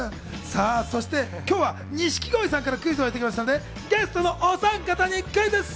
そして今日は錦鯉さんからクイズをいただきましたので、ゲストのおさん方にクイズッス！